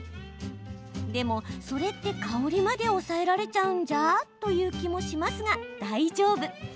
でもそれって香りまで抑えられちゃうんじゃ？という気もしますが大丈夫。